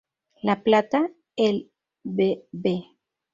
La Plata, el Bv.